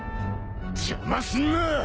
邪魔すんな！